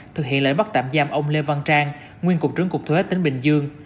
thực hiện lệnh bắt tạm giam ông lê văn trang nguyên cục trưởng cục thuế tỉnh bình dương